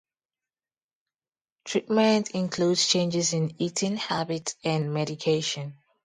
Treatment includes changes in eating habits and medication.